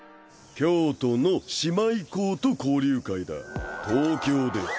京都の姉妹校と交流会だ東京で。